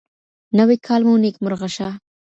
نوی کال مو نيکمرغه شه.